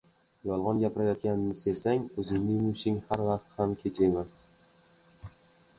Yolg‘on gapirayotganingni sezsang, og‘zingni yumishing har vaqt ham kech emas.